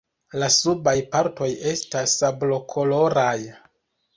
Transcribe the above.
La subaj partoj estas sablokoloraj.